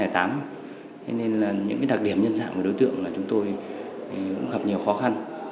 thế nên là những đặc điểm nhân dạng của đối tượng là chúng tôi cũng gặp nhiều khó khăn